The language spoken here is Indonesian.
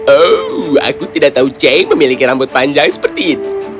oh aku tidak tahu ceng memiliki rambut panjang seperti itu